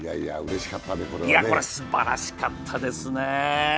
これはすばらしかったですね。